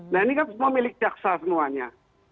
nah ini kan semua milik jaksa semuanya